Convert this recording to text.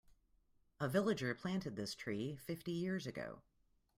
A villager planted this tree fifty years ago.